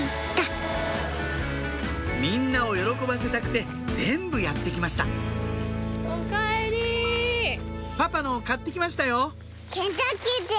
みんなを喜ばせたくて全部やってきましたパパのを買ってきましたよ